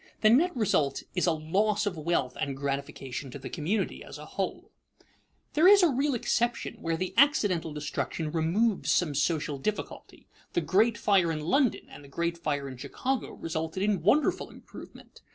The net result is a loss of wealth and gratification to the community as a whole. There is a real exception where the accidental destruction removes some social difficulty. The great fire in London and the great fire in Chicago resulted in wonderful improvement.